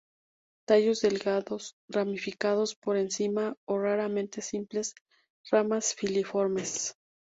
Tallos delgados, ramificados por encima o raramente simples, ramas filiformes.